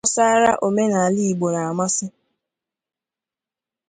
ndị ihe gbasaara omenala Igbo na-amasị